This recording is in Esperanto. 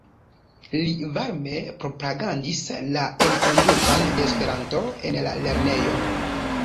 Li varme propagandis la enkondukon de Esperanto en la lernejon.